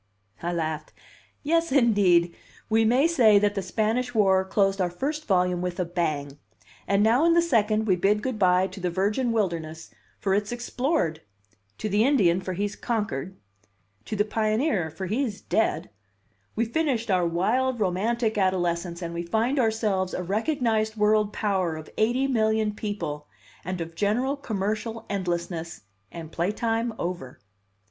I laughed. "Yes, indeed! We may say that the Spanish War closed our first volume with a bang. And now in the second we bid good by to the virgin wilderness, for it's explored; to the Indian, for he's conquered; to the pioneer, for he's dead; we've finished our wild, romantic adolescence and we find ourselves a recognized world power of eighty million people, and of general commercial endlessness, and playtime over."